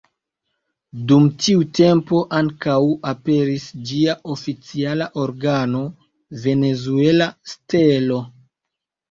Dum tiu tempo ankaŭ aperis ĝia oficiala organo "Venezuela Stelo".